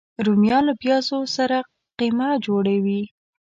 رومیان له پیازو سره قیمه جوړه وي